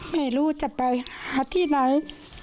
ไม่รู้จะไปหาที่ไหน